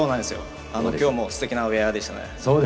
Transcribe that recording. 今日もすてきなウェアでしたね。